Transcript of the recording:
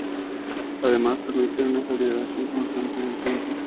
Además, permite una calibración constante en el tiempo.